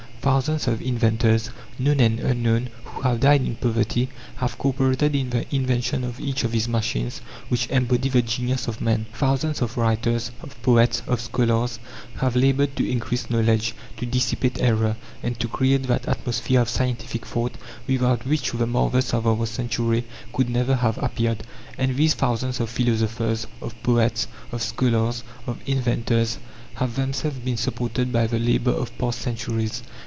Thousands of inventors, known and unknown, who have died in poverty, have co operated in the invention of each of these machines which embody the genius of man. Thousands of writers, of poets, of scholars, have laboured to increase knowledge, to dissipate error, and to create that atmosphere of scientific thought, without which the marvels of our century could never have appeared. And these thousands of philosophers, of poets, of scholars, of inventors, have themselves been supported by the labour of past centuries.